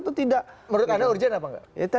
menurut anda urgen apa enggak